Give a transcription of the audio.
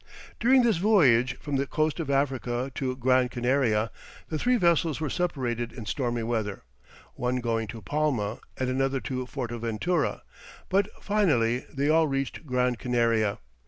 During this voyage from the coast of Africa to Gran Canaria, the three vessels were separated in stormy weather, one going to Palma, and another to Fortaventura, but finally they all reached Gran Canaria.